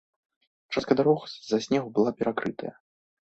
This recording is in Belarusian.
Частка дарог з-за снегу была перакрытая.